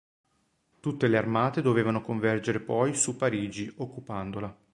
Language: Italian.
Tutte le armate dovevano convergere poi su Parigi occupandola.